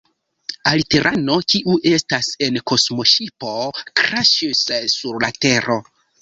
Aliterano, kiu estas en kosmoŝipo, kraŝis sur la Tero